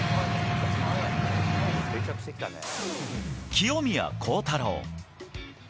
清宮幸太郎。